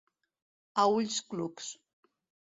A ulls clucs.